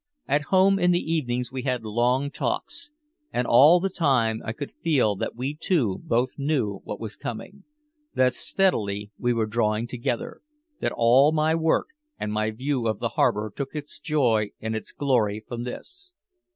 At home in the evenings we had long talks. And all the time I could feel that we two both knew what was coming, that steadily we were drawing together, that all my work and my view of the harbor took its joy and its glory from this.